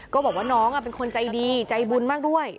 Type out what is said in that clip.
ก็บอกว่าน้องเป็นคนใจดีใจบุญมากด้วย